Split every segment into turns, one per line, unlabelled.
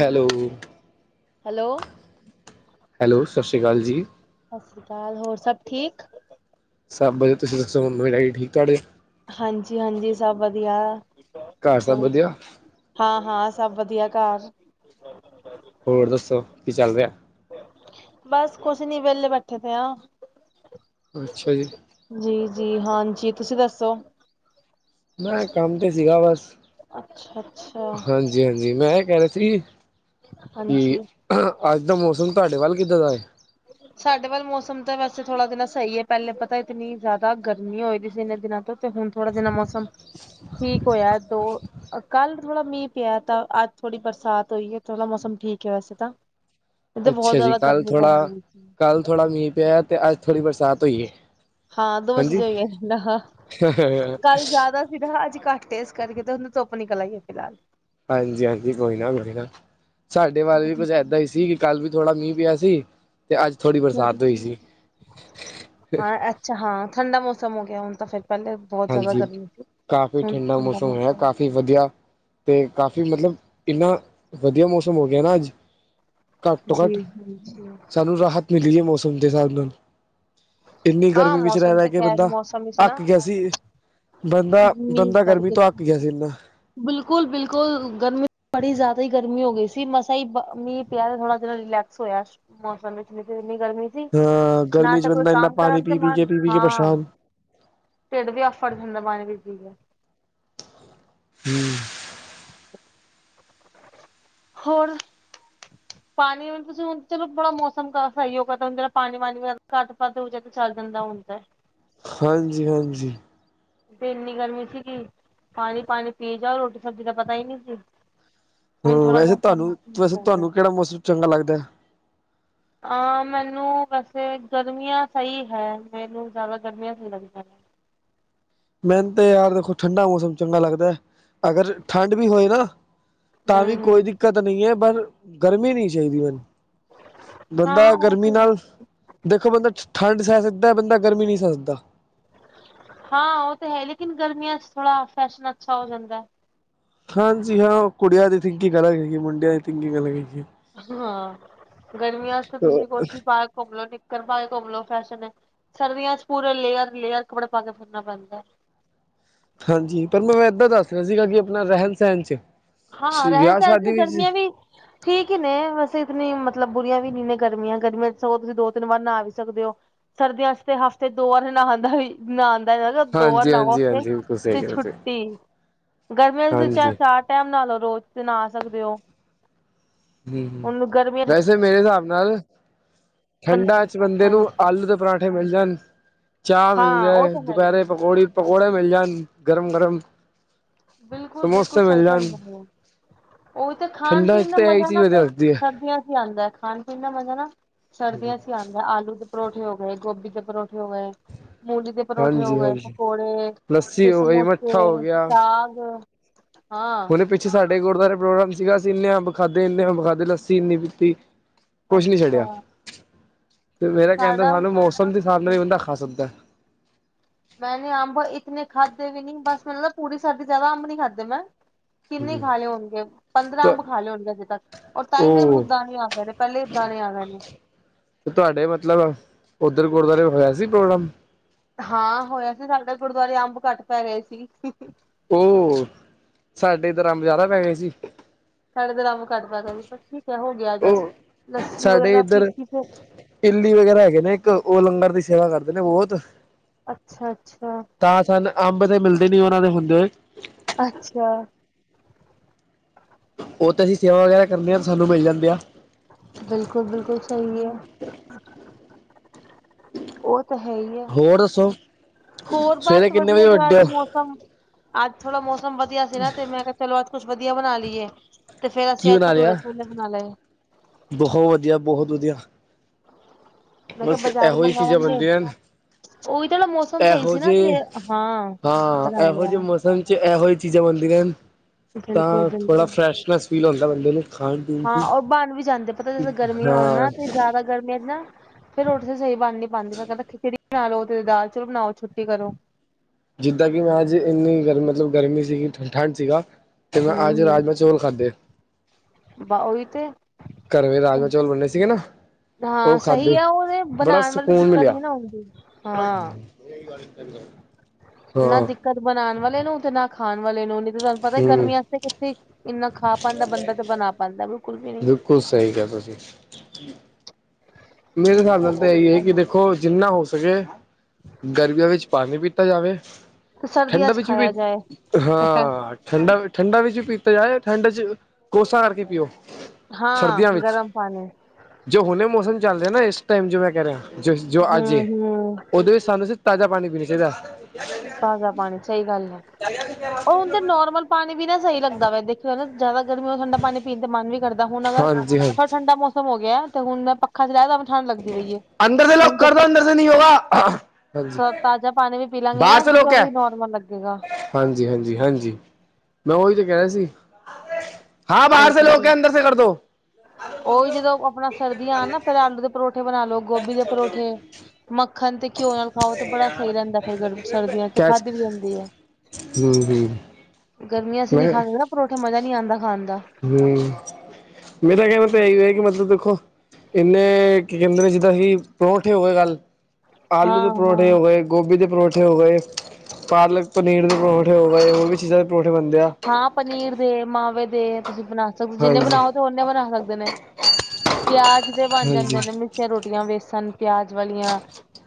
Hello,
hello
hello ਸਤਿ ਸ਼੍ਰੀ ਅਕਾਲ ਜੀ।
ਸਤਿ ਸ਼੍ਰੀ ਅਕਾਲ, ਹੋਰ ਸਭ ਠੀਕ।
ਸਭ, ਤੁਸੀਂ ਦੱਸੋ ਮੰਮੀ- ਡੈਡੀ ਠੀਕ ਤੁਹਾਡੇ
ਹਾਂਜੀ- ਹਾਂਜੀ ਸਭ ਵਧੀਆਂ।
ਘਰ ਸਭ ਵਧੀਆਂ
ਹਾਂ- ਹਾਂ ਸਭ ਵਧੀਆ ਘਰ
ਹੋਰ ਦੱਸੋ ਕੀ ਚੱਲ ਰਿਆ।
ਬਸ ਕੁੱਛ ਨੀ ਵਿਹਲੇ ਬੈਠੇ ਦੇ ਆ
ਅੱਛਾ ਜੀ।
ਜੀ- ਜੀ ਹਾਂਜੀ, ਤੁਸੀਂ ਦੱਸੋਂ।
ਮੈਂ ਕੰਮ ਤੇ ਸੀਗਾ ਬਸ,
ਅੱਛਾ ਅੱਛਾ
ਹਾਂਜੀ -ਹਾਂਜੀ ਮੈਂ ਇਹ ਕਹਿਣਾ ਸੀ। ਕਿ
ਹਾਂਜੀ
ਅੱਜ ਦਾ ਮੌਸਮ ਤੁਹਾਡੇ ਵੱਲ ਕਿੱਦਾਂ ਦਾ ਏਂ।
ਸਾਡੇ ਵੱਲ ਮੌਸਮ ਤਾਂ ਵੈਸੇ ਥੋੜ੍ਹਾ ਦਿਨਾ ਸਹੀ ਹੈ, ਪਹਿਲੇ ਪਤਾ ਇਤਨੀ ਜ਼ਿਆਦਾ ਗਰਮੀ ਹੋਈ ਦੀ ਸੀ ਏਨੇ ਦਿਨਾਂ ਤੋਂ ਤੇ ਹੁਣ ਥੋੜਾਂ ਜਿਨਾ ਮੌਸਮ ਠੀਕ ਹੋਇਆ ਦੋ ਕੱਲ ਥੋੜਾਂ ਮੀਂਹ ਪਿਆ ਤਾਂ ਅੱਜ ਥੋੜੀ ਬਰਸਾਤ ਹੋਈ ਐ, ਥੋੜਾਂ ਮੌਸਮ ਠੀਕ ਹੈ ਵੈਸੇ ਤਾਂ ਏਧਰ ਬਹੁਤ
ਅੱਛਾ ਜੀ
ਜ਼ਿਆਦਾ
ਕੱਲ
ਗਰਮੀਂ।
ਥੋੜਾ, ਕੱਲ ਥੋੜਾ ਮੀਂਹ ਪਿਆ ਤੇ ਅੱਜ ਥੋੜੀ ਬਰਸਾਤ ਹੋਈ ਏ।
ਹਾਂ ਦੋਵੇਂ ਚੀਜ਼ਾਂ ਹੋਈਆਂ, ਹਾਂ ਕੱਲ ਜਾਅਦਾ ਜਿਦਾ ਅੱਜ ਘੱਟ ਏਂ, ਇਸ ਕਰਕੇ ਏਂ ਧੁੰਦ ਧੁੱਪ ਨਿਕਲ ਆਈ ਏ ਫ਼ਿਲਹਾਲ
ਹਾਂਜੀ- ਹਾਂਜੀ ਕੋਈ ਨਾ ਕੋਈ ਨਾ ਸਾਡੇ ਵੱਲ ਵੀ ਕੁੱਝ ਐਦਾਂ ਹੀ ਸੀਂ। ਕੱਲ ਵੀ ਥੋੜਾ ਮੀਂਹ ਪਿਆ ਸੀ, ਤੇ ਅੱਜ ਥੋੜੀ ਬਰਸਾਤ ਹੋਈ ਸੀ।
ਚ ਹਾਂ ਠੰਡਾ ਮੌਸਮ ਹੋ ਗਿਆ ਹੁਣ ਤਾਂ ਫਿਰ ਪਹਿਲੇ ਬਹੁਤ ਜ਼ਿਆਦਾ
ਹਾਂਜੀ,
ਗਰਮੀ ਸੀ।
ਕਾਫ਼ੀ ਠੰਡਾ ਮੌਸਮ ਹੋਇਆਂ ਕਾਫ਼ੀ ਵਧੀਆਂ ਤੇ ਕਾਫ਼ੀ ਮਤਲਬ ਇੰਨਾ ਵਧੀਆਂ ਮੌਸਮ ਹੋ ਗਿਆ ਨਾ ਅੱਜ ਘੱਟ ਤੋਂ ਘੱਟ
ਜੀ ਹਾਂਜੀ
ਸਾਨੂੰ ਰਾਹਤ ਮਿਲੀ ਐ ਮੌਸਮ ਦੇ ਸਾਬ ਨਾਲ ਇੰਨੀ
ਹਾਂ
ਗਰਮੀ ਵਿੱਚ ਰਹਿ-
ਮੌਸਮ
ਰਹਿ
ਤੇ
ਕੇ
ਖੈਰ
ਬੰਦਾਂ
ਮੌਸਮ ਵਿੱਚ ਨਾ
ਅੱਕ ਗਿਆ ਸੀ। ਬੰਦਾ
ਮੀਂਹ
-ਬੰਦਾ ਗਰਮੀ
ਕਰਕੇ
ਤੋਂ ਅੱਕ ਗਿਆ ਸੀ ਏਨਾਂ
ਬਿਲਕੁਲ- ਬਿਲਕੁਲ ਗਰਮੀ ਬੜੀ ਜ਼ਿਆਦਾ ਹੀ ਗਰਮੀ ਹੋ ਗਈ ਸੀ, ਮਸਾ ਹੀ ਮੀਹ ਪਿਆ ਥੋੜਾ ਜਿ ਰਲੈ -ਕਸ ਹੋਇਆਂ, ਮੌਸਮ ਵਿੱਚ ਨਹੀਂ ਤੇ ਏਨੀਂ ਗਰਮੀ ਸੀ,
ਹਾਂ
ਨਾ
ਗਰਮੀ ਚ
ਤਾਂ ਕੋਈ
ਬੰਦਾ ਇੰਨਾ
ਕੰਮ
ਪਾਣੀ
ਕਰਨ ਤੇ
ਪੀ ਪੀ ਕੇ
ਮਨ,
ਪੀ ਪੀ ਕੇ
ਹਾਂ
ਪਰੇਸ਼ਾਨ
ਢਿੱਡ ਵੀ ਆਫੜ ਜਾਂਦਾ ਪਾਣੀ ਪੀ-ਪੀ ਕੇ
ਹੂੰ।
ਹੋਰ।
[inaudible]
ਪਾਨੀ ਹੁਣ ਤੁਸੀਂ ਹੁਣ ਚਲੋ ਬੜਾ ਮੌਸਮ ਤਾਂ ਸਹੀ ਹੋਗਿਆ, ਹੁਣ ਜ਼ਰਾ ਪਾਨੀ ਵਾਨੀ ਘੱਟ ਵੱਧ ਹੋ ਜੇ ਤਾਂ ਚੱਲ ਜਾਂਦਾ ਹੁਣ ਤੇ
ਹਾਂਜੀ -ਹਾਂਜੀ।
ਇੰਨੀ ਗਰਮੀ ਸੀਗੀ ਪਾਣੀ ਪਾਣੀ ਪੀ ਜਾਓ ਰੋਟੀ ਸਬਜ਼ੀ ਦਾ ਪਤਾ ਈ ਨਹੀਂ ਸੀ। ਹੁਣ
ਹੂੰ
ਥੋੜਾ
ਵੈਸੇ ਤੁਵਾਂਨੂੰ
ਮੌਸਮ ਠੀਕ
ਵੈਸੇ
ਹੋ ਗਿਆ
ਤੁਵਾਂਨੂੰ ਕੇੜਾ ਮੌਸਮ ਚੰਗਾ ਲੱਗਦਾ ਹੈ?
ਆਂ ਮੈਨੂੰ ਵੈਸੇ ਗਰਮੀਆਂ ਸਹੀ ਹੈ ਮੈਨੂੰ ਜ਼ਿਆਦਾ ਗਰਮੀਆਂ ਅੱਛੀ ਲੱਗਦੀਆਂ। ਨੇ
ਮੈਨ ਤੇ ਯਾਰ ਦੇਖੋ ਠੰਢਾ ਮੌਸਮ ਚੰਗਾ ਲੱਗਦਾ ਅਗਰ ਠੰਡ ਵੀ ਹੋਏ ਨਾ ਤਾਂ ਵੀ ਕੋਈ
ਹਮ
ਦਿੱਕਤ ਨਹੀਂ ਹੈ ਪਰ ਗਰਮੀ ਨਹੀਂ ਚਾਹੀਦੀ ਮੈਨੂ।
ਹਮ ਹਾਂ
ਬੰਦਾ
ਉਹ
ਗਰਮੀ
ਤੇ
ਨਾਲ ਦੇਖੋ ਬੰਦਾ ਠੰਡ ਸਹਿ ਸਕਦਾ ਬੰਦਾ ਗਰਮੀ ਨਹੀਂ ਸਹਿ ਸਕਦਾ।
ਹਾਂ ਉਹ ਤੇ ਹੈ ਲੇਕਿਨ ਗਰਮੀਆਂ ਚ ਥੋੜਾ ਫੈਸ਼ਨ ਅੱਛਾ ਹੋ ਜਾਂਦਾ।
ਹਾਂਜੀ ਹਾਂ ਕੁੜੀਆਂ ਦੀ ਥਿੰਕਿੰਗ ਅਲੱਗ ਹੈਗੀ ਮੁੰਡਿਆਂ ਦੀ ਥਿੰਕਿੰਗ ਅਲੱਗ ਹੈਗੀ।
ਹਾਂ ਗਰਮੀਆਂ ਚ ਤਾਂ ਤੁਸੀਂ ਕੋਟੀ ਪਾ ਕੇ ਘੁੰਮ ਲੋ ਘਰ ਪਾ ਕੇ ਘੁੰਮੋ ਲੋ ਫੈਸ਼ਨ ਹੈ, ਸਰਦੀਆਂ ਚ ਪੂਰੇ ਲੇਅਰ, ਲੇਅਰ ਕੱਪੜੇ ਪਾ ਕੇ ਫਿਰਨਾ ਪੈਂਦਾ।
ਹਾਂਜੀ ਪਰ ਮੈਂ ਏਦਾਂ ਦੱਸ ਰਿਹਾ ਸੀਗਾ ਕਿ ਆਪਣਾ ਰਹਿਣ ਸਹਿਣ ਚ
ਹਾਂ ਰਹਿਣ
ਵਿਆਹ
ਸਹਿਣ
ਸ਼ਾਦੀ
ਚ
ਵਿੱਚ
ਗਰਮੀਆਂ ਵੀ ਠੀਕ ਹੀ ਨੇ ਵੈਸੇ ਇਤਨੀ ਮਤਲਬ ਬੁਰੀਆਂ ਵੀ ਨੀ ਨੇ ਗਰਮੀਆਂ, ਗਰਮੀਆਂ ਸਗੋਂ ਤੁਸੀਂ ਦੋ ਤਿੰਨ ਵਾਰ ਨਹਾ ਵੀ ਸਕਦੇ ਹੋ। ਸਰਦੀਆਂ ਚ ਤੇ ਹਫ਼ਤੇ ਦੋ ਵਾਰ ਨਹਾਨ ਦਾ ਵੀ ਨਹਾਂਨ ਦਾ ਜਾਦਾ ਦੋ ਵਾਰ
ਹਾਂਜੀ
ਨਾਵੋ
ਹਾਂਜੀ
ਫੇਰ,
ਹਾਂਜੀ ਬਿਲਕੁਲ ਸਹੀ ਕਹਿ ਰਹੇ ਤੁਸੀਂ
ਛੁੱਟੀ ਗਰਮੀਆਂ ਵਿੱਚ ਤੇ ਚਾਹੇ
ਹਾਂਜੀ
ਚਾਰ ਟਾਈਮ ਨਾਲੋਂ ਰੋਜ਼ ਜੇ ਨਹਾ ਸਕਦੇ ਹੋ।
ਹੂੰ - ਹੂੰ
ਹੁਣ ਗਰਮੀਆਂ ਚ
ਵੈਸੇ ਮੇਰੇ ਹਿਸਾਬ ਨਾਲ ਠੰਡਾਂ ਚ ਬੰਦੇ ਨੂੰ
ਹਾਂਜੀ
ਆਲੂ ਦੇ ਪਰਾਂਠੇ ਮਿਲ ਜਾਣ ਚਾਹ ਮਿਲ
ਹਾਂ ਉਹ
ਜਾਏ,
ਤਾਂ ਹੈ ਹੀ
ਦੁਪਹਿਰੇ
ਹੈ।
ਪਕੌੜੀ ਪਕੌੜੇ ਮਿਲ ਜਾਣ ਗਰਮ- ਗਰਮ
ਬਿਲਕੁਲ, ਬਿਲਕੁਲ
ਸਮੋਸੇ
ਸਹੀ
ਮਿਲ ਜਾਣ
ਕਹਿੰਦੇ ਪਏ ਔ ਉਹ ਤੇ ਖਾਣ
ਠੰਡਾ
ਪੀਣ
ਚ
ਦਾ
ਤਾਂ ਇਹੀ
ਮਜ਼ਾ
ਚੀਜ਼
ਨਾ
ਵਧੀਆ
ਫੇਰ
ਲੱਗਦੀ ਹੈ
ਸਰ ਦੀਆਂ ਚ ਈ ਆਂਦਾ ਖਾਣ ਪੀਣ ਦਾ ਮਜ਼ਾ ਨਾ ਸਰਦੀਆਂ ਚ ਈ ਆਂਦਾ ਆਲੂ ਦੇ ਪਰੌਠੇ ਹੋ ਗਏ, ਗੋਭੀ ਦੇ ਪਰੌਠੇ ਹੋ ਗਏ। ਮੂਲੀ ਦੇ ਪਰੌਠੇ ਹੋ
ਹਾਂਜੀ
ਗਏ,
ਹਾਂਜੀ
ਪਕੌੜੇ
ਲੱਸੀ
ਤੇ
ਹੋ ਗਈ ਮੱਠਾ ਹੋ
ਸਮੋਸੇ, ਸਾਗ ਹਾਂ
ਹੁਨੇ ਪਿੱਛੇ ਸਾਡੇ ਗੁਰਦੁਆਰੇ ਪ੍ਰੋਗਰਾਮ ਸੀਗਾ। ਅਸੀਂ ਇੰਨੇ ਅੰਬ ਖਾਧੇ ਇੰਨੇ ਅੰਬ ਖਾਦੇ ਲੱਸੀ ਇੰਨੀ ਪੀਤੀ। ਕੁਛ ਨੀ
ਅੱਛਾ।
ਛੱਡਿਆ ਤੇ ਮੇਰਾ ਕਹਣ ਦਾ
ਸਾਡਾ
ਸਾਬ ਨਾਲ ਮੌਸਮ ਦੇ ਹਿਸਾਬ ਨਾਲ ਈ ਬੰਦਾ ਖਾ ਸਕਦਾ।
ਮੈਂ ਨ ਅੰਬ ਇਤਨੇ ਖਾਧੇ ਵੀ ਨੀ ਬਸ ਮੈਨ ਲਗਦਾ ਪੂਰੀ ਸਰਦੀ ਜ਼ਿਆਦਾ ਅੰਬ ਨੀ ਖਾਦੇ ਮੈਂ। ਕਿੰਨੇ ਖਾਲੇ ਹੋਣਗੇ ਪੰਦਰਾਂ ਅੰਬ ਖਾਲੇ ਹੋਣਗੇ ਅਜੇ ਤੱਕ। ਔਰ ਤਾਂਈ ਮੇਰੇ ਮੂੰਹ
ਉਹ
ਦਾਣੇ ਆ ਗਏ ਨੇ ਪਹਿਲੇ ਦਾਣੇ ਆ ਗਏ ਨੇ
ਤੇ ਤੁਵਾਡੇ ਮਤਲਬ ਔਧਰ ਗੁਰਦੁਆਰੇ ਹੋਯਾ ਸੀ ਪ੍ਰੋਗਰਾਮ?
ਹਾਂ ਹੋਯਾ ਸੀ ਸਾਡੇ ਗੁਰਦੁਆਰੇ ਅੰਬ ਘੱਟ ਪੈ ਗਏ ਸੀ।
ਔਹ, ਸਾਡੇ ਏਧਰ ਅੰਬ ਜ਼ਿਆਦਾ ਪੈ ਗਏ ਸੀ।
ਸਾਡੇ ਧਰ ਅੰਬ ਘੱਟ ਪੈ ਗੇ ਸਿ ਪਰ ਠੀਕ ਹੈ ਹੋ ਗਿਆ ਏਡਜਸ
ਉਹ
ਲੱਸੀ ਵਗੈਰਾ ਪੀਤੀ ਫੇਰ
ਇਲੀ ਵਗੈਰਾ ਹੈਗੇ ਨੇ ਇੱਕ ਉਹ ਲੰਗਰ ਦੀ ਸੇਵਾ ਕਰਦੇ ਨੇ ਬੋਹਤ
ਅੱਛਾ, ਅੱਛਾ।
ਤਾਂ ਸਨ ਅੰਬ ਤੇ ਮਿਲਦੇ ਨੀ ਉਹਨਾਂ ਦੇ ਹੁੰਦੇ ਹੋਏ
ਅੱਛਾ।
ਔਹ ਤੇ ਅਸੀਂ ਸੇਵਾ ਵਗੈਰਾ ਕਰਨੇ ਆ ਸਾਨੂੰ ਮਿਲ ਜਾਂਦੇ ਆ।
ਬਿਲਕੁਲ, ਬਿਲਕੁਲ ਸਹੀ ਹੈ। ਔਹ ਤਾਂ ਹੈ ਇ ਹੈ,
ਹੋਰ ਦੱਸੋ
ਹੋਰ
ਸਵੇਰੇ
ਬਸ
ਕਿੰਨੇ
ਵਧੀਆ
ਵਜੇ
ਅੱਜ
ਉੱਠਦੇ ਹੋ
ਮੌਸਮ ਸਾਬ ਅੱਜ ਥੋੜਾ ਮੌਸਮ ਵਧੀਆ ਸੀ ਨਾ ਤੇ ਮੈਂ ਕਿਹਾ ਚਲੋ ਅੱਜ ਕੁਛ ਵਧੀਆ ਬਣਾ ਲਈਏ। ਤੇ ਫੇਰ
ਕੀ
ਅਸੀਂ ਅੱਜ
ਬਣਾ
ਭਠੂਰੇ
ਲਿਆ
-ਛੋਲੇ ਬਣਾ ਲਏ।
ਬਹੁਤ ਵਧੀਆ, ਬਹੁਤ ਵਧੀਆ।
ਮੈਂ ਕਿਹਾ
ਬਸ
ਬਾਜ਼ਾਰ
ਇਹੋ ਹੀ ਚੀਜ਼ਾਂ
ਮਗਾਵਾੰਗੇ
ਬਣਦੀਆਂ ਹਨ
ਔਹੀ ਤੇ ਨਾ ਮੌਸਮ ਸਈ
ਇਹੋ
ਸੀ ਨਾ ਤੇ
ਜਿਹੇ
ਹਾਂ, ਬਨਾ ਲੇਯਾ।
ਸਮ ਚ ਏਹੋ ਜੇਈ ਚੀਜ਼ਾਂ ਬਣਦੀਆਨ
ਬਿਲਕੁਲ
ਤਾਂ ਥੋੜਾ
ਬਿਲਕੁਲ
ਫਰੈਸ਼-ਫਰੈਸ਼ ਫੀਲ ਹੁੰਦਾ ਬੰਦੇ ਨੂੰ। ਖਾਣ ਪੀਣ
ਹਾਂ,
'ਚ
ਔਬਣ ਵੀ ਜਾਂਦੇ ਪਤਾ ਜਦੇ ਗਰਮੀਆਂ ਹੋਨ
ਹਾਂ
ਨਾ ਤੇ ਜਾਦਾ ਗਰਮੀਆਂ ਚ ਨਾ ਫੇਰ ਰੋਟੀ ਤੇ ਸਹੀ ਬਣ ਨੀ ਪਾੰਦੀ ਬੰਦਾ ਕੈਂਦਾ ਖਿਚੜੀ ਬਣਾ ਲੋ ਤੇ ਦਾਲ-ਚੋਲ ਬਣਾਓ ਤੇ ਛੁੱਟੀ ਕਰੋ।
ਜਿੱਦਾ ਕਿ ਮੈਂ ਅੱਜ ਇੰਨੀ ਗਰਮ ਮਤਲਬ ਗਰਮੀ ਸੀਗੀ, ਠੰਡ ਸੀਗਾ ਤੇ ਮੈਂ ਅੱਜ ਰਾਜਮ -ਚੌਲ ਖਾਦੇ।
ਓਹੀ ਤੇ
ਘਰਵੇ ਰਾਜਮਾ- ਚੌਲ ਬੰਨੇ ਸੀਗੇ ਨਾ।
ਹਾਂ,
ਉਹ
ਸਈ
ਖਾਧੇ
ਆ ਓਦੇ
ਬੜਾ
ਬਨਾਣ ਵਲੇ ਤਾਂ
ਸਕੂਨ
ਦਿੱਕਤ
ਮਿਲਿਆ
ਨੀ ਨਾ ਹੂੰਦੀ, ਹਾਂ।
[unintelligible] ਹਾਂ
ਨਾ ਦਿੱਕਤ ਬਨਾਣ ਵਾਲੇ ਨੂੰ, ਤੇ ਨਾ ਖਾਣ ਵਾਲੇ ਨੂੰ ਨਈਂ ਤੇ ਤਾਨੂੰ ਪਤਾ
ਹੂੰ
ਗਰਮੀਆਂ ਚ ਤੇ ਸੱਚੀ ਇਨਾ ਖਾ ਪਾੰਦਾ ਬੰਦਾ ਤੇ ਬਨਾਂ
ਬਿਲਕੁਲ ਸਈ ਗੱਲ ਤਵਾਡੀ। ਮੇਰੇ ਸਾਬ ਨਾਲ ਤਾਂ
ਉਹ
ਏਹੀ ਹੈ ਕਿ ਦੇ ਖੋ ਜਿੰਨਾ ਹੋ ਸਕੇ ਗਰਮੀਆਂ ਵਿੱਚ ਪਾਣੀ ਪੀਤਾ ਜਾਵੇ
ਤੇ ਸਰਦੀਆਂ
ਠੰਡਾ
ਚ
ਵਿੱਚ ਵੀ
ਖਾਇਆ ਜਾਏ
ਹਾਂ, ਠੰਡਾ ਠੰਡਾ ਵਿੱਚ ਵੀ ਪੀਤਾ ਜਾਏ ਠੰਡ ਚ ਕੋਸਾ ਕਰਕੇ ਪੀਓ, ਸਰਦੀਆਂ
ਹਾਂ
ਵਿੱਚ।
ਗਰਮ ਪਾਣੀ
ਜੋ ਹੁਣੇ ਮੌਸਮ ਚੱਲ ਰੇਯਾ ਨਾ ਇਸ ਟਾਈਮ ਜੋ ਮੈਂ ਕੈ ਰੇਯਾ, ਜੋ ਜੋ
ਹੂੰ
ਅੱਜ ਏ
ਹੂੰ
ਓਦੇ ਵਿੱਚ ਸਾਨੂੰ ਤਾਜਾ ਪਾਨੀ ਪੀਨਾ ਚਾਈਦਾ।
ਤਾਜ਼ਾ ਪਾਨੀ, ਸਈ ਗੱਲ ਏ। ਓ ਹੂਣਤੇ ਨੋਰਮਲ ਪਾਣੀ ਵੀ ਨਾ ਸਈ ਲੱਗਦਾ ਵੇ ਦੇਖੇਆ ਜਾਏ ਨਾਂ ਗਰਮੀ ਠੰਡਾ ਪਾਣੀ ਪੀਣ ਦੇ ਮਨ ਵੀ ਨੀਂ ਕਰਦਾ, ਤੇ ਹੁਣ ਅਗਰ
ਹਾਂਜੀ ਹਾਂ
ਥੋੜਾ ਠੰਡਾ ਮੌਸਮ ਹੋ ਗਿਆ ਤੇ ਹੁਣ ਮੈਂ ਪ ਚਲਾਯਾ ਤਾਂਵੀ ਠੰਡ ਲਗਦੀ ਪਈਏ,
ਅੰਦਰ ਦੇ ਲੋਕ
ਹੁਣ
ਕਰ ਦੋ
[unintelligible]
ਅੰਦਰ ਸੇ ਨਹੀਂ ਹੋਗਾ ਹਾਂਜੀ
ਤਾਜਾ ਪਾਣੀ ਵੀ ਪੀ ਲਾਂਗੇ
ਬਾਹਰ
ਨਾ
ਸੇ
ਅਸੀਂ ਤਾਂ
ਲੋਕ
ਉਹ
ਐ
ਵੀ ਨੋਰਮਲ ਲੱਗੇਗਾ
ਹਾਂਜੀ, ਹਾਂਜੀ-ਹਾਂਜੀ, ਮੈਂ ਓਈ ਤੇ ਕੈ ਰੇਯਾ ਸੀ। ਹਾਂ, ਬਾਹਰ ਸੇ ਲੋਕ ਹੈ ਅੰਦਰ ਸੇ ਕਰਦੋ।
ਓਈ ਜਦੋਂ ਅਪਣਾ ਸਰਦੀਆਂ ਆਨ ਨਾ ਫੇਰ ਆਲੂ ਦੇ ਪਰੌਠੇ ਬਣਾ ਲੋ, ਗੋਭੀ ਦੇ ਪਰੌਠੇ ਮੱਖਨ ਤੇ ਘਿਓ ਨਾਲ ਖਾਓ ਤੇ ਬੜਾ ਸਈ ਰੈਂਦਾ, ਫੇਰ ਗਰ ਸਰਦੀਆਂ ਖਾਦੀ ਵੀ ਜਾਂਦੀ ਏ।
ਹੁੰ-ਹੁੰ।
ਗਰਮੀਆਂ'ਚ ਨੀਂ ਖਾਂਦੇ ਨਾ ਪਰੌਂਠੇ ਮਜ਼ਾ ਨੀਂ ਆਂਦਾ ਖਾਨ ਦਾ।
ਵੇ, ਮੇਰਾ ਏ ਮਤਲਬ ਤਾਂਏਹੀ ਏ ਕਿ ਦੇਖੋ ਏਨੇ ਕੀ ਕੈਂਦੇ ਨੇ ਜਿੱਦਾਂ ਅਹੀ ਪਰੌਂਠੇ ਹੋ ਗਏ ਗੱਲ ਆਲੂ ਦੇ
ਹਾਂ
ਪਰੌਠੇ
ਹਾਂ
ਹੋ ਗਏ, ਗੋਬੀ ਦੇ ਪਰੌਂਠੇ ਪਰਠੇ ਹੋ ਗਏ, ਪਾਲਕ ਪਨੀਰ ਦੇ ਪਰੌਂਠੇ ਹੋ ਗਏ, ਹੋਰ ਵੀ ਚੀਜ਼ਾਂ ਦੇ ਪਰੌਂਠੇ ਬਣਦੇ ਆ
ਹਾਂ, ਪਨੀਰ ਦੇ, ਮਾਵੇ ਦੇ ਤੁਸੀਂ ਬਣਾ ਜਿੰਨੇ
ਹਾਂਜੀ
ਬਨਾਓ ਤੇ ਓਨੇ ਬਣਾ ਸਕਦੇ ਨੇ ਪਿਆਜ ਦੇ ਬਨ
ਹਾਂਜੀ
ਜਾਂਦੇ ਨੇ। ਮਿਸੀਆਂ ਰੋਟੀਆਂ ਵੇਸਣ ਪਿਆਜ ਵਾਲੀਆਂ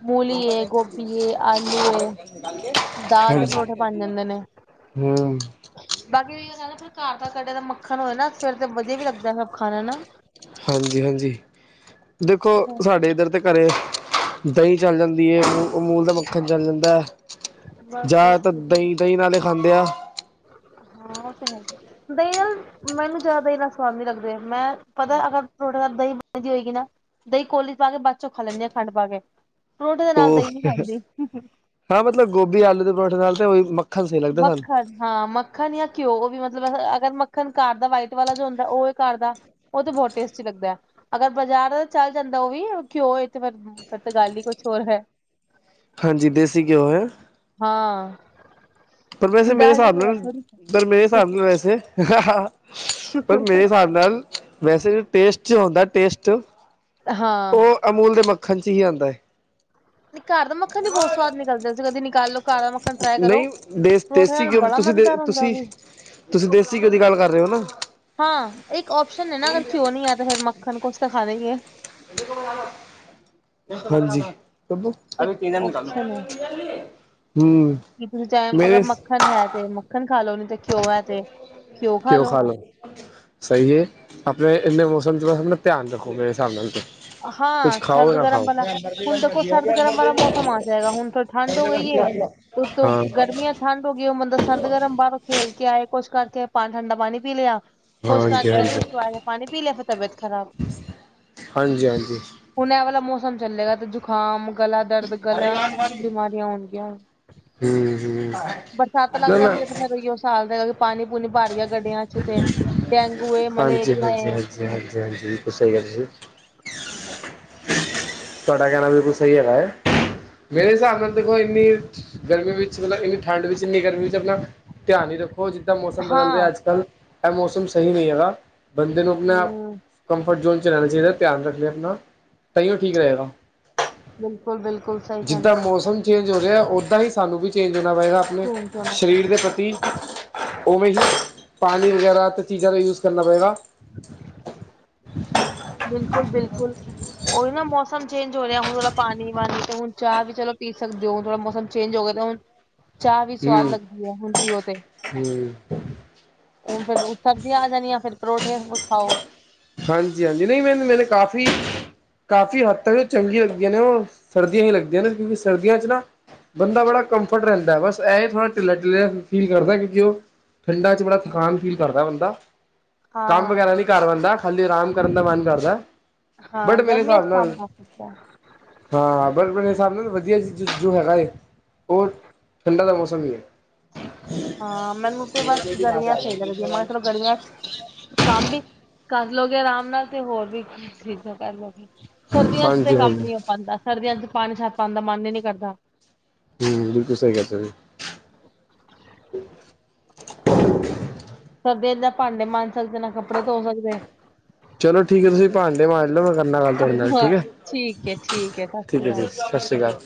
ਮੂਲੀ ਏ, ਗੋਭੀ ਏ, ਆਲੂ ਏ, ਦਾਲ ਦੇ ਪਰੌਠੇ ਬਨ ਜਾਂਦੇ ਨੇ।
ਹੁੰ।
ਬਾਕੀ ਫਿਰ ਏਹੀ ਹੁੰਦਾ ਨਾਂ ਘਰ ਦਾ ਕੱਢੇਯਾ ਦਾ ਮੱਖਣ ਹੋਏ ਨਾ, ਫੇਰ ਤੇ ਵਦੀਆ ਵੀ ਲੱਗਦਾ ਸਬ ਖਾਣਾ, ਹੈਨਾ।
ਹਾਂਜੀ-ਹਾਂਜੀ, ਦੇਖੋ ਸਾਡੇ ਏਦਰ ਤੇ ਘਰੇ ਦਈਂ ਚੱਲ ਜਾਂਦੀ ਏ, ਅਮੂਲ ਦਾ ਮੱਖਣ ਚੱਲ ਜਾਂਦਾ,
ਬਸ ਬਸ
ਜਾਦਾਤਰ
ਵਧੀਆ।
ਦਈਂ ਦਈਂ ਨਾਲੇ ਖਾਂਦੇ ਆਂ।
ਹਾਂ, ਓ ਤੇ ਹੈ ਹਿਏ ਦਈਂ ਨਾਲ ਮੈਨੂੰ ਜਾਦਾ ਦਈਂ ਨਾਲ ਸਵਾਦ ਨੀ ਲੱਗਦੇ, ਮੈਂ ਪਤਾ ਅਗਰ ਪਰੋਠੇ ਨਾਲ ਦਹੀਂ ਬਣੀਦੀ ਹੋਏਗੀ ਨਾ ਦਹੀਂ ਕੋਲੀ ਪਾ ਕੇ ਬਾਦ ਚੋਂ ਖਾ ਲੈਂਦੇ ਹਾਂ ਖੰਡ ਪਾ ਕੇ ਪਰੌਠੇ ਦੇ ਨਾਲ
ਉਹ
ਦਹੀਂ ਨੀ ਖਾਂਦੀ।
ਹਾਂ ਮਤਲਬ ਗੋਭੀ ਆਲੂ ਦੇ ਪਰੌਂਠੇ ਨਾਲ ਤੇ ਉਹੀ ਮ
ਮੱਖਣ ਹਾਂ ਮ ਮੱਖਣ ਯਾਂ ਘਿਉ ਵੀ ਮਤਲਬ ਅਗਰ ਮੱਖਣ ਘਰ ਦਾ ਵਾਈਟ ਵਾਲਾ ਜੋ ਹੁੰਦਾ ਉਹ ਘਰ ਦਾ ਉਹ ਤੇ ਬਹੁਤ ਟੇਸਟੀ ਲੱਗਦਾ ਅਗਰ ਬਾਜ਼ਾਰ ਚੱਲ ਜਾਂਦਾ ਉਹ ਵੀ ਘਿਓ ਇਹ ਤੇ ਫਿਰ ਫ਼ਿਰ ਤੇ ਗੱਲ ਹੀ ਕੁਛ ਹੋਰ ਹੈ।
ਹਾਂਜੀ ਦੇਸੀ ਘਿਓ ਹੈ।
ਹਾਂ।
ਪਰ ਵੈਸੇ ਮੇਰੇ
ਡਾਲਡੇ
ਹਿਸਾਬ
ਕੀ
ਨਾਲ
ਗੱਲ ਥੋੜੀ
ਪਰ ਮੇਰੇ ਹਿਸਾਬ ਨਾਲ ਵੈਸੇ ਪਰ ਮੇਰੇ ਹਿਸਾਬ ਨਾਲ ਵੈਸੇ ਟੇਸਟ ਜੋ ਹੁੰਦਾ ਟੇਸਟ
ਹਾਂ
ਉਹ ਅਮੂਲ ਦੇ ਮੱਖਣ ਚ ਹੀ ਆਂਦਾ ਹੈ।
ਨਹੀਂ ਘਰ ਦਾ ਮੱਖਣ ਦੀ ਬਹੁਤ ਸਵਾਦ ਨਿਕਲਦਾ ਜੇ ਤੁਸੀਂ ਕਦੇ ਨਿਕਾਲੋ। ਘਰ ਦਾ ਮੱਖਣ ਟਰਾਈ ਕਰੋ
ਨਹੀਂ ਦੇਸ
ਪਰੋਠੇ
ਦੇਸੀ
ਨਾਲ
ਘਿਉਂ
ਬੜਾ
ਤੁਸੀਂ ਦੇ
ਮਜ਼ੇਦਾਰ ਹੁੰਦਾ ਉਹ
ਤੁਸੀਂ
ਵੀ
ਤੁਸੀਂ ਦੇਸੀ ਘਿਓ ਦੀ ਗੱਲ ਕਰ ਰਹੇ ਹੋ ਨਾ?
ਹਾਂ ਇੱਕ ਓਪਸ਼ਨ ਹੈ, ਨਾ ਅਗਰ ਕਿਉਂ ਨਹੀਂ ਆ ਤਾਂ ਫ਼ਿਰ ਮੱਖਣ ਕੁਛ ਤਾਂ ਖਾਣਾ ਹੀ ਐ।
ਹਾਂਜੀ। ਬੱਬੂ
ਇੱਕ ਆਪਓਪਸ਼ਨ
[unintelligible] ਹਮ।
ਕੀ ਤੁਸੀਂ ਚਾਹੇ ਅਗਰ
ਮੇਰੇ
ਮੱਖਣ ਹੈ ਤੇ ਮੱਖਣ ਖਾ ਲੋ ਨੀ ਤੇ ਘਿਓ ਹੈ ਤੇ ਘਿਓ ਖਾ ਲੋੋ।
[unintelligible] ਸਹੀ ਹੈ ਆਪਣੇ ਇੰਨੇ ਮੌਸਮ ਚ ਤਾਂ ਫੇਰ ਮੈਂ ਧਿਆਨ ਰੱਖੂੰਗਾ ਏ ਹਿਸਾਬ ਨਾਲ ਤੇ। ਕੁਛ ਖਾਓ ਨਾ ਖਾਓ। [inaudible]
ਹੁਣ ਦੇਖੋ
[inaudible]
ਉਤੋ ਗਰਮੀਆਂ ਠੰਢ ਹੋ ਗਈ। ਉਹ ਬੰਦਾ ਸਰਦ-ਗਰਮ ਬਾਹਰੋਂ ਖੇਲ ਕੇ ਆਏ, ਕੁਛ ਕਰਕੇ ਆਏ ਪਾ ਠੰਡਾ ਪਾਣੀ ਪੀ ਲਿਆ। ਕੁਛ ਕਾਰ
ਹਾਂਜੀ
ਗਰਮੀ ਚੋਂ ਆਏ ਪਾਣੀ ਪੀ ਲਿਆ ਫਿਰ ਤਬੀਅਤ ਖਰਾਬ।
ਹਾਂਜੀ-ਹਾਂਜੀ।
ਹੁਣ ਐ ਵਾਲਾ ਮੌਸਮ ਚੱਲੇਗਾ ਤੇ ਜੁ ਜੁਖਾਮ, ਗਲਾ ਦਰਦ ਗਲਾ,
ਹਮ
ਇਹ ਹੁਣ
ਹਮ
ਬਿਮਾਰੀਆਂ ਆਣਗੀਆਂ। ਬਰਸਾਤ ਲੱਗ
ਨਾ
ਜਾਂਦੀ
ਨਾ
ਤੇ ਫੇਰ ਉਹੀ ਓ [unintelligible] ਪਾਣੀ- ਪੂਣੀ ਭਾਰ ਗਿਆ ਗੱਡਿਆਂ ਵਿੱਚ ਤੇ ਡੇਂਗੂ ਏ, ਮਲੇਰੀਆ ਏ।
ਹਾਂਜੀ-ਹਾਂਜੀ [unintelligible] ਜੀ
ਹਮ।
ਤੁਹਾਡਾ ਕਹਿਣਾ ਬਿਲਕੁਲ ਸਹੀ ਹੈਗਾ ਹੈ। ਮੇਰੇ ਹਿਸਾਬ ਨਾਲ ਦੇਖੋ, ਇੰਨੀ ਗਰਮੀ ਵਿੱਚ ਮਤਲਬ ਇੰਨੀ ਠੰਡ ਵਿੱਚ ਇੰਨੀ ਗਰਮੀ ਵਿੱਚ ਆਪਣਾ ਧਿਆਨ ਹੀ ਰੱਖੋ, ਜਿੱਦਾਂ ਮੌਸਮ ਬਦਲ ਰਿਹਾ
ਹਾਂ
ਅੱਜ-ਕੱਲ੍ਹ ਇਹ ਮੌਸਮ ਸਹੀ ਨਹੀਂ ਹੈਗਾ। ਬੰਦੇ ਨੂੰ ਆਪਣਾ
ਹੂੰ
ਕੰਫਰਟ ਜ਼ੋਨ ਚ ਰਹਿਣਾ ਚਾਹੀਦਾ। ਧਿਆਨ ਰੱਖੇ ਆਪਣਾ ਤਾਂ ਹੀਓ ਠੀਕ ਰਹੇਗਾ।
ਬਿਲਕੁਲ-ਬਿਲਕੁਲ ਸਹੀ
ਜਿੱਦਾਂ
ਕਹਿੰਦੇ ਪਏ ਓ।
ਮੌਸਮ ਚੇਂਜ ਹੋ ਰਿਹਾ ਉੱਦਾਂ ਹੀ ਸਾਨੂੰ ਵੀ ਚੇਂਜ ਹੋਣਾ ਪਏਗਾ ਆਪਣੇ
ਹੋ
ਸ਼ਰੀਰ ਦੇ ਪ੍ਰਤੀ। ਉਹਵੇਂ ਹੀ ਪਾਣੀ ਵਗੈਰਾ ਤੇ ਚੀਜ਼ਾਂ ਦਾ ਯੂਜ ਕਰਨਾ ਪਏਗਾ।
ਬਿਲਕੁਲ-ਬਿਲਕੁਲ। ਉਹੀ ਨਾ ਮੌਸਮ ਚੇਂਜ ਹੋ ਰਿਹਾ। ਹੁਣ ਥੋੜਾ ਪਾਣੀ- ਵਾਣੀ ਤੇ ਹੁਣ ਚਾਹ ਵੀ ਚਲੋ ਪੀ ਸਕਦੇ ਹੋ ਥੋੜਾ ਮੌਸਮ ਚੇਂਜ ਹੋ ਗਏ ਦਾ ਹੁਣ, ਚਾਹ ਵੀ ਸਵਾਦ
ਹੂੰ
ਲੱਗਦੀ ਹੈ ਹੁਣ ਪੀਓ ਤੇ।
ਹੂੰ
ਹੁਣ ਫੇਰ ਸਬਜ਼ੀਆਂ ਆ ਜਾਣੀਆਂ ਫੇਰ ਪਰੌਂਠਿਆਂ ਚ ਖਾਓ।
ਹਾਂਜੀ-ਹਾਂਜੀ, ਨਹੀਂ ਨਹੀ ਨਹੀ ਕਾਫ਼ੀ ਕਾਫ਼ੀ ਹੱਦ ਤੱਕ ਉਹ ਚੰਗੀਆਂ ਹੁੰਦੀਆਂ ਨੇ ਉ ਸਰਦੀਆਂ ਹੀ ਲੱਗਦੀਆਂ ਨੇ ਕਿਉਂਕਿ ਸਰਦੀਆਂ ਚ ਨਾ ਬੰਦਾ ਬੜਾ ਕੰਫਰਟ ਰੈਂਦੈ, ਬਸ ਐ ਏ ਥੋੜਾ ਢਿੱਲਾ-ਢਿੱਲਾ ਫੀਲ ਕਰਦੈ ਕਿਉਂਕਿ ਓ ਠੰਡਾ 'ਚ ਬੜਾ ਥਕਾਨ ਫੀਲ ਕਰਦੈ ਬੰਦਾ। ਕੰਮ ਵਗੈਰਾ
ਹਾਂ-ਹਾਂ
ਨੀ ਕਰ ਪਾਂਦਾ, ਖਾਲੀ ਅਰਾਮ ਕਰਨ ਦਾ ਮਨ ਕਰਦੈ।
ਹਾਂ, ਗਰਮੀਆਂ 'ਚ ਕੰਮ ਹੋ ਸਕਦੈ।
ਹਾਂ, ਪਰ ਮੇਰੇ ਹਿਸਾਬ ਨਾਲ, ਵਧੀਆ ਜ ਜੋ ਹੈਗਾ ਏ ਔਰ ਠੰਡਾ ਦਾ ਮੌਸਮ ਵੀ ਏ।
ਹਾਂ, ਮੈਨੂੰ ਤੇ ਬਸ ਗਰਮੀਆਂ ਸਈ ਲੱਗਦੀਐਂ। ਮੈਂ ਸਿਰਫ ਗਰਮੀਆਂ 'ਚ ਕੰਮ ਵੀ ਕਰਲੋਗੇ ਆਰਾਮ ਨਾਲ ਤੇ ਹੋਰ ਵੀ [unintelligible] ਚੀਜਾਂ ਕਰਲੋਗੇ। ਸਰਦੀਆਂ 'ਚ ਤੇ
ਹਾਂਜੀ
ਕੰਮ
ਹਾਂਜੀ
ਨੀ ਹੋ ਪਾਂਦਾ। ਸਰਦੀਆਂ 'ਚ ਪਾਨੀ 'ਚ ਹੱਥ ਪਾਨ ਦਾ ਮਨ ਈ ਨੀ ਕਰਦਾ।
ਹੂੰ, ਬਿਲਕੁਲ ਸਈ ਕੈ ਤਾ ਜੀ।
[inaudible] ਸਰਦੀਆਂ 'ਚ ਨਾ ਭਾਂਡੇ ਮਾਂਝ ਸਕਦੇ, ਨਾ ਕੱਪੜੇ ਧੋ ਸਕਦੇ।
ਚਲੋ ਠੀਕ ਏ ਫਿਰ। ਪਾਂਡੇ ਮਾਂਜ ਲੋ ਫੇਰ ਕਰਨਾ ਗੱਲ ਤੁਆਡੇ ਨਾਲ, ਠੀਕ
ਹਾਂ
ਏ।
ਠੀਕ ਹੈ ਠੀਕ ਹੈ ਸਤਿ
ਠੀਕ
ਸ੍ਰੀ
ਐ
ਅਕਾਲ
ਜੀ, ਸਸ ਸ੍ਰੀ ਕਾਲ।